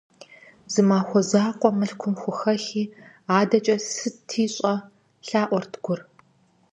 - Зы махуэ закъуэ Мылъкум хухэхи, адэкӀэ сыти щӀэ! - лъаӀуэрт Гур.